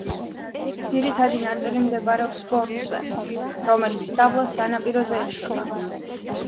ძირითადი ნაწილი მდებარეობს ბორცვზე, რომელიც დაბლა, სანაპიროზე ეშვება.